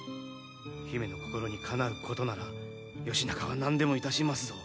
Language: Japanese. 姫の心にかなうことなら義仲は何でもいたしますぞ